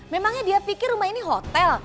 memangnya dia pikir rumah ini hotel